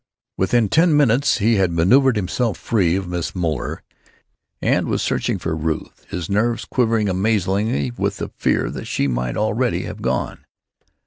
Within ten minutes he had manœuvered himself free of Miss Moeller and was searching for Ruth, his nerves quivering amazingly with the fear that she might already have gone.